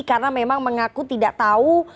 karena memang mengaku tidak tahu